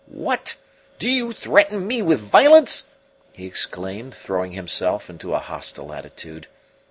"What, do you threaten me with violence?" he exclaimed, throwing himself into a hostile attitude.